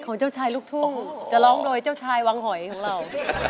เจ้าชายลูกทุ่งจะร้องโดยเจ้าชายวังหอยของเรา